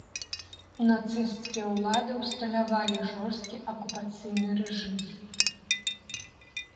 Нацысцкія ўлады ўсталявалі жорсткі акупацыйны рэжым.